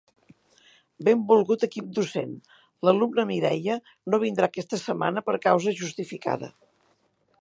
Benvolgut equip docent, l'alumna Mireia no vindrà aquesta setmana per causa justificada.